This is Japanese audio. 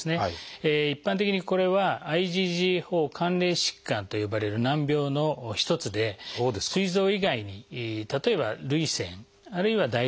一般的にこれは「ＩｇＧ４関連疾患」と呼ばれる難病の一つですい臓以外に例えば涙腺あるいは唾液腺ですね